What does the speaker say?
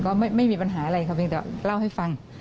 ก็ไม่มีปัญหาอะไรค่ะเพียงแต่เล่าให้ฟัง